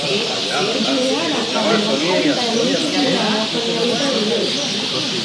The Giuliano clan was headed by Luigi Giuliano for nearly thirty years.